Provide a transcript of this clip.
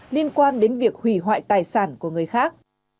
liên quan đến việc hủy hoại tài sản của người khác